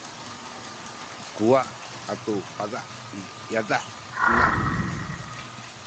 kuwa’ atu paza’ i yadah henay